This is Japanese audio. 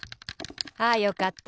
あよかった。